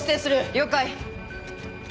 了解！